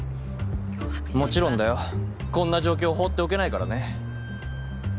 もちろんだよ。こんな状況放っておけないからね。